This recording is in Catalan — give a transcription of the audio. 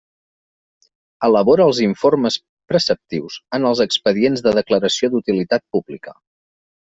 Elabora els informes preceptius en els expedients de declaració d'utilitat pública.